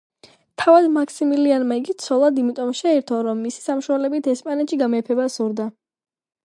თავად მაქსიმილიანმა იგი ცოლად იმიტომ შეირთო, რომ მისი საშუალებით ესპანეთში გამეფება სურდა.